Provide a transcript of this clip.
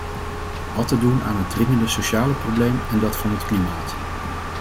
Wat te doen aan het dringende sociale probleem en dat van het klimaat?